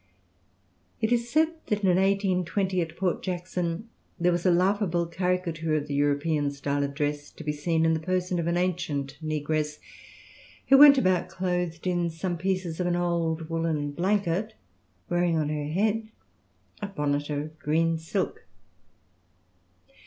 It is said that in 1820 at Port Jackson there was a laughable caricature of the European style of dress to be seen in the person of an ancient negress who went about clothed in some pieces of an old woollen blanket, wearing on her head a bonnet of green silk.